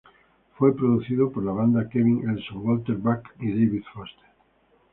Fue producido por la banda, Kevin Elson, Wally Buck y David Foster.